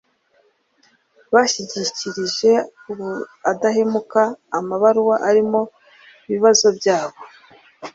bashyikirije Udahemuka amabaruwa arimo ibibazo byabo